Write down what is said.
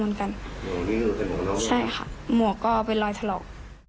ใช่ค่ะหมวกก็เป็นรอยถลอก